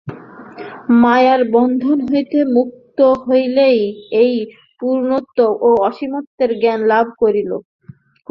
মায়ার বন্ধন হইতে মুক্ত হইলেই এই পূর্ণত্ব ও অসীমত্বের জ্ঞান লাভ করিব।